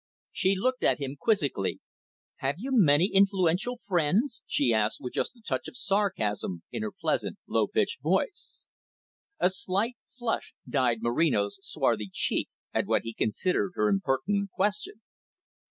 She looked at him quizzically. "Have you many influential friends?" she asked, with just a touch of sarcasm in her pleasant, low pitched voice. A slight flush dyed Moreno's swarthy cheek at what he considered her impertinent question.